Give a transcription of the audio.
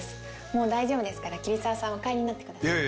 もう大丈夫ですから桐沢さんはお帰りになってください。